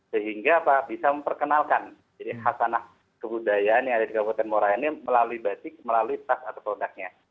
sehingga bisa memperkenalkan khas tanah kebudayaan yang ada di kabupaten morainim melalui batik melalui tas atau produknya